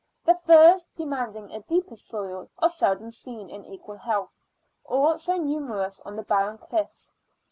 The firs, demanding a deeper soil, are seldom seen in equal health, or so numerous on the barren cliffs.